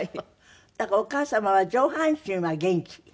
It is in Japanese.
なんかお母様は上半身は元気？